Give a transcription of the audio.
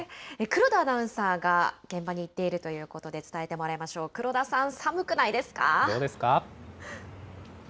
黒田アナウンサーが現場に行っているということで伝えてもらいましょう、黒田さん、寒くないですか？